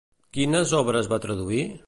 Quines obres va traduir?